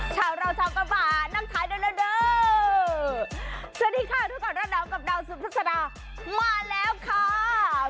สวัสดีค่ะตอนแล้วกับดาวซุภัศจรามาแล้วค่าาาาา